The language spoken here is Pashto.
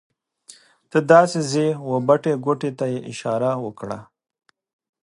ته داسې ځې وه بټې ګوتې ته یې اشاره وکړه.